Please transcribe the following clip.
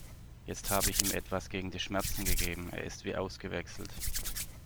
Jetzt habe ich ihm etwas gegen die Schmerzen gegeben, er ist wie ausgewechselt.